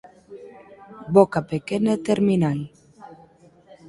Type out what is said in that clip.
Boca pequena e terminal.